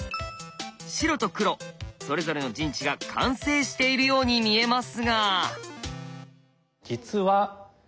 白と黒それぞれの陣地が完成しているように見えますが。